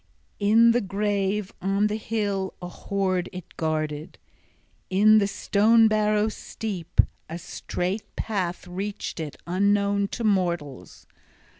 In the grave on the hill a hoard it guarded, in the stone barrow steep. A strait path reached it, unknown to mortals.